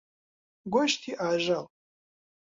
گۆشتی ئاژەڵ.